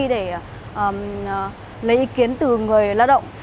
để lấy ý kiến từ người lao động